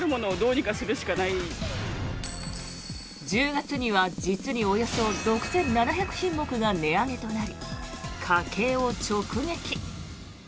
１０月には実におよそ６７００品目が値上げとなり家計を直撃。